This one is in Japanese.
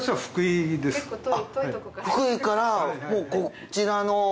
福井からこちらの？